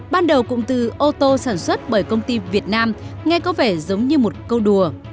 ban đầu cụm từ ô tô sản xuất bởi công ty việt nam nghe có vẻ giống như một câu đùa